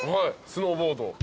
スノーボード。